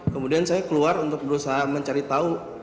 kemudian saya keluar untuk berusaha mencari tahu